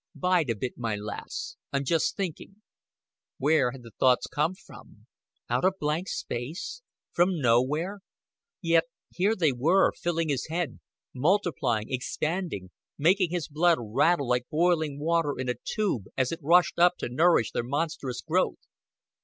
"Bide a bit, my lass. I'm just thinking." Where had the thoughts come from? out of blank space? from nowhere? Yet here they were, filling his head, multiplying, expanding, making his blood rattle like boiling water in a tube as it rushed up to nourish their monstrous growth.